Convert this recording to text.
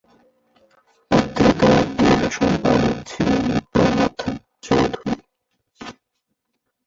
পত্রিকাটির সম্পাদক ছিলেন প্রমথ চৌধুরী।